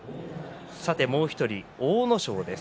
さてもう１人、阿武咲です。